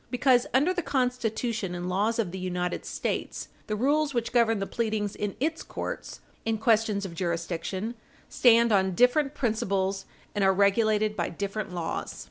Because, under the Constitution and laws of the United States, the rules which govern the pleadings in its courts in questions of jurisdiction stand on different principles, and are regulated by different laws.